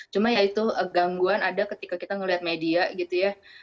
cuma ya itu gangguan ada ketika kita ngeliat media gitu ya